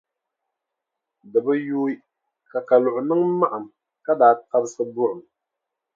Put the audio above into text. Di bi yuui ka Kaluɣi niŋ maɣim ka daa tabisi buɣum.